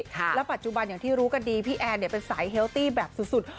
ค่ะและปัจจุบันอย่างที่รู้ก็ดีพี่แอร์เป็นสายเฮาล์ที่แบบสุด